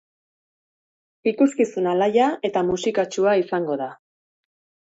Ikuskizun alaia eta musikatsua izango da.